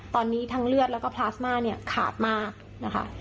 ตอนนี้ทั้งเลือดแล้วก็พลาสมาเนี่ยขาดมากนะคะ